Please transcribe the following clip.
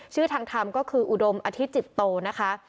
ชื่อทางธรรมก็คืออุดมอธิจิตโตนะคะ